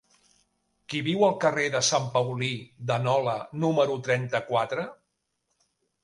Qui viu al carrer de Sant Paulí de Nola número trenta-quatre?